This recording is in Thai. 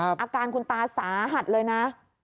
อาการคุณตาสาหัสเลยนะ